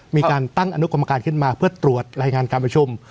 มีการตั้งอนุกรรมการขึ้นมาเพื่อตรวจรายงานการประชุม